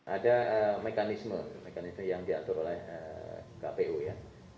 ada mekanisme yang diatur